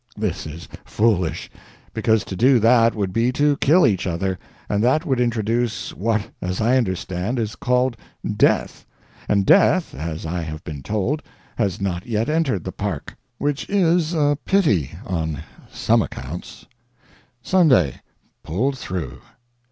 This is foolish, because to do that would be to kill each other, and that would introduce what, as I understand, is called "death"; and death, as I have been told, has not yet entered the Park. Which is a pity, on some accounts. SUNDAY. Pulled through.